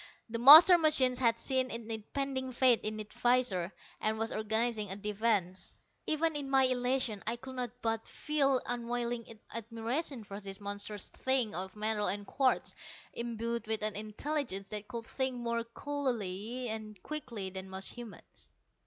The master machine had seen its impending fate in the visors, and was organizing a defense. Even in my elation, I could not but feel unwilling admiration for this monstrous thing of metal and quartz, imbued with an intelligence that could think more coolly and quickly than most humans.